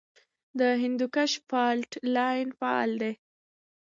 د هندوکش فالټ لاین فعال دی